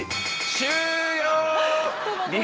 終了！